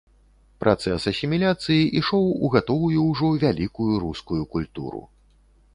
Працэс асіміляцыі ішоў у гатовую ўжо вялікую рускую культуру.